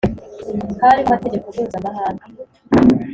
hariho amategeko mpuzamahanga